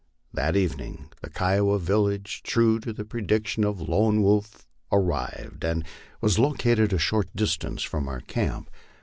That evening the Kiowa village, true to the prediction of Lone Wolf ar* 210 LIFE ON THE PLAINS. rived, and was located a short distance from our camp.